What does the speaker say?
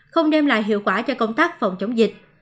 không đem lại hiệu quả cho công tác phòng chống dịch